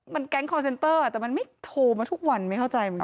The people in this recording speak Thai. มันแก๊งคอร์เซนเตอร์แต่มันไม่โทรมาทุกวันไม่เข้าใจเหมือนกัน